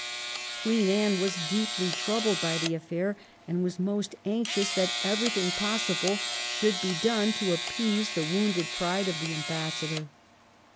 Queen Anne was deeply troubled by the aflFair, and was most anxious that everything possible should be done to appease the wounded pride of the ambassador.